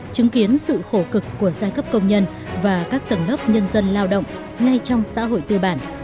chứng kiến sự khổ cực của giai cấp công nhân và các tầng lớp nhân dân lao động ngay trong xã hội tư bản